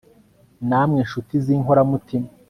namwe nshuti z'inkora mutima